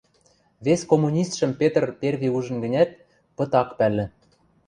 Вес коммунистшӹм Петр перви ужын гӹнят, пыт ак пӓлӹ